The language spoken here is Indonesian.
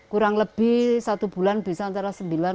kurang lebih satu bulan bisa antara sembilan sampai sepuluh ton